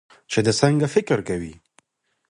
چې د څنګه فکر کوي